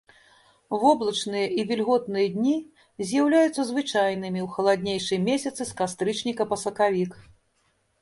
Воблачныя і вільготныя дні з'яўляюцца звычайнымі ў халаднейшыя месяцы з кастрычніка па сакавік.